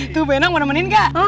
tuh bu hendang mau nemenin gak